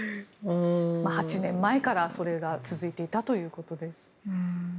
８年前からそれが続いていたということです。